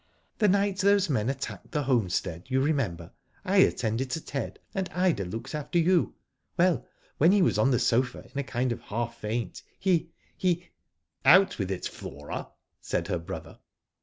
The night those men attacked the homestead you remember I attended to Ted, and Ida looked after you. Well, when he was on the sofa in a kind of half faint he — he "" Out with it, Flora," said her brother.